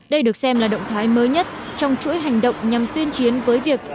đây được xem là động thái mới nhất trong chuỗi hành động nhằm tuyên chiến với việc